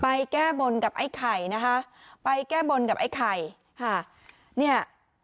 แก้บนกับไอ้ไข่นะคะไปแก้บนกับไอ้ไข่ค่ะเนี่ย